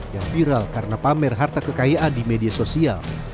yang viral karena pamer harta kekayaan di media sosial